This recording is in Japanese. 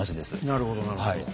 なるほどなるほど。